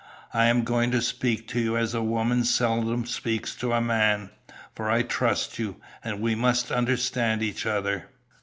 "I am going to speak to you as a woman seldom speaks to a man, for I trust you, and we must understand each other.